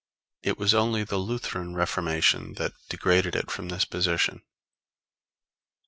It was only the Lutheran Reformation that degraded it from this position.